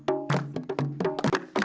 ingat selama itu